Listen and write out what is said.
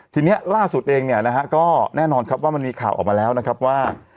ทีนี้ล่าสุดเองเนี่ยนะฮะก็แน่นอนครับว่ามันมีข่าวออกมาแล้วนะครับว่า